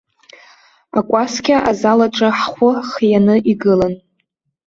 Акәасқьа азал аҿы ҳхәы хианы игылан.